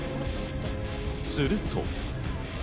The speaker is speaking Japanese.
すると。